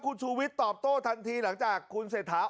คุณชูวิทย์ตอบโต้ทันทีหลังจากคุณเศรษฐา